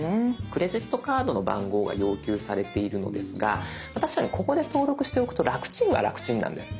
クレジットカードの番号が要求されているのですが確かにここで登録しておくと楽ちんは楽ちんなんです。